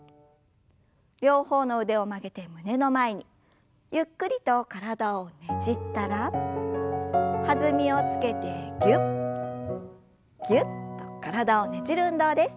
両方の腕を曲げて胸の前にゆっくりと体をねじったら弾みをつけてぎゅっぎゅっと体をねじる運動です。